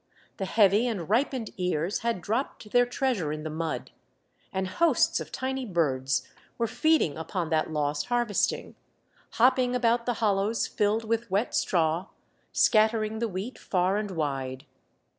The heavy and ripened ears had dropped their treasure in the mud, and hosts of tiny birds were feeding upon that lost harvesting, hopping about the hollows filled with wet straw, scattering the wheat far and wide.